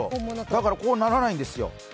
だからこうならないんですよ。